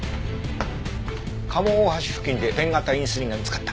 賀茂大橋付近でペン型インスリンが見つかった。